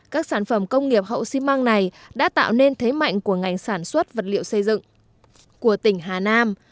các sản phẩm công nghiệp hậu xi măng này đã tạo nên thế mạnh của ngành sản xuất vật liệu xây dựng của tỉnh hà nam